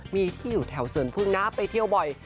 มีที่อยู่แถวสวนพึ่งนะไปเที่ยวบ่อย